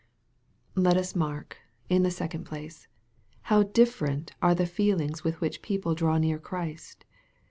Let us mark, in the second place, how different are the feelings with which people draw near to Christ.